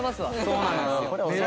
そうなんですよ。